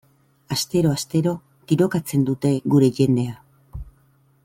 Astero-astero tirokatzen dute gure jendea.